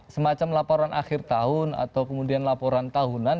semacam laporan akhir tahun atau kemudian laporan tahunan